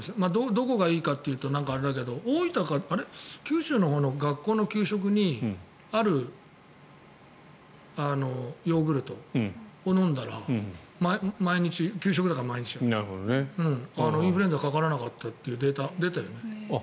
どこがいいかというとあれだけど大分か九州のほうの学校の給食にあるヨーグルトを飲んだら給食だから毎日インフルエンザにかからなかったというデータが出たよね。